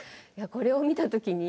これを見た時に。